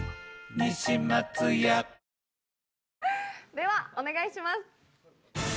ではお願いします。